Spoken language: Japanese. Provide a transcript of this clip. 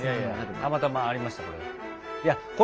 たまたまありましたこれ。